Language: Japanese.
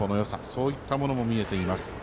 そういったものも見えています。